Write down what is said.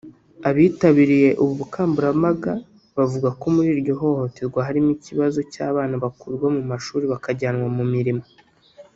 Abitabiriye ubu bukangurambaga bavuga ko muri iryo hohoterwa harimo ikibazo cy’abana bakurwa mu mashuri bakajyanwa mu mirimo